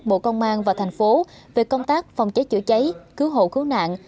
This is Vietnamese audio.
bộ công an và thành phố về công tác phòng cháy chữa cháy cứu hộ cứu nạn